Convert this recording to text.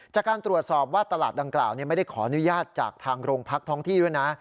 จากการตรวจสอบว่าตลาดดังกล่าวไม่ได้ขออนุญาตจากทางโรงพักท้องที่ด้วยนะ